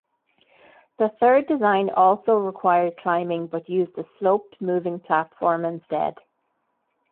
The third design also required climbing but used a sloped, moving platform instead.